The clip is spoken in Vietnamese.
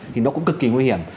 thì nó cũng cực kỳ nguy hiểm